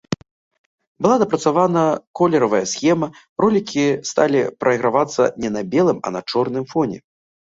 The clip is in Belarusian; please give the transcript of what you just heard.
Была дапрацавана колеравая схема, ролікі сталі прайгравацца не на белым, а на чорным фоне.